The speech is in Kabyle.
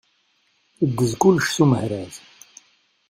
Teddez kullec s umehraz